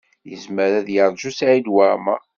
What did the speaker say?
Yezmer ad yeṛju Saɛid Waɛmaṛ.